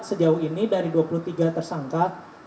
sejauh ini dari dua puluh tiga tersangka